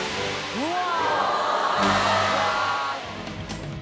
うわ！